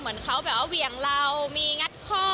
เหมือนเขาแบบว่าเหวี่ยงเรามีงัดข้อ